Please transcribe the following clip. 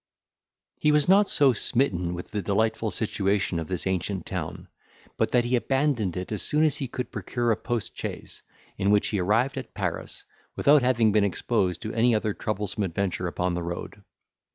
He was not so smitten with the delightful situation of this ancient town, but that he abandoned it as soon as he could procure a post chaise, in which he arrived at Paris, without having been exposed to any other troublesome adventure upon the road.